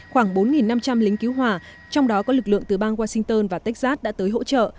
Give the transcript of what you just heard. khoảng bốn năm trăm linh lính cứu hỏa trong đó có lực lượng từ bang washington và texas đã tới hỗ trợ